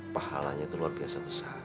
pahalanya itu luar biasa besar